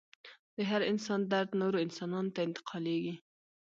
د هر انسان درد نورو انسانانو ته انتقالیږي.